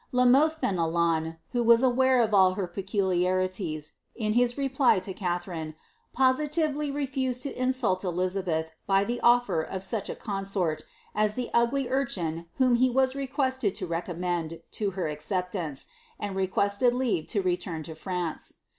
La Moihe Fenelon, who was aware of all her peculiariiiea, in his reply lo Catherine, positively refused to insolt Elizabeth by the ofler of wocb I , pp. I XI.I1ABBTH. « consort «■ the ngly urchin whom he was requested to recommend to her acceptance, and requested leave to return to France.